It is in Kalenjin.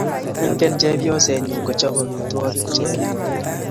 Ingen chepyosenyu kochop amitwogik che anyiny